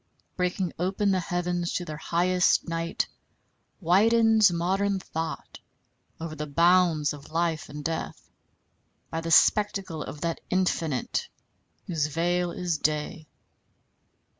Breaking open the heavens to their highest, night widens modern thought over the bounds of life and death by the spectacle of that Infinite whose veil is day.